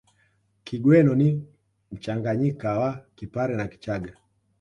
Kigweno ni mchanganyika wa Kipare na Kichaga